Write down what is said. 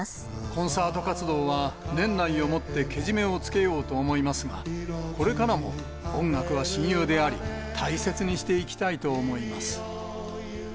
コンサート活動は年内をもってけじめをつけようと思いますが、これからも音楽は親友であり、大切にしていきたいと思います。